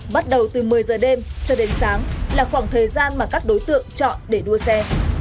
bắt đầu từ một mươi giờ đêm cho đến sáng là khoảng thời gian mà các đối tượng chọn để đua xe